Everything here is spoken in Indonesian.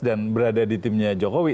dan berada di timnya jokowi